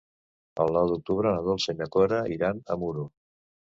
El nou d'octubre na Dolça i na Cora iran a Muro.